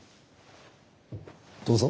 どうぞ。